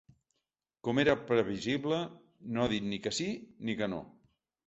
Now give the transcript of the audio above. Com era previsible, no ha dit ni que sí ni que no.